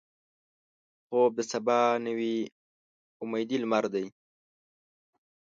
خوب د سبا نوې امیدي لمر دی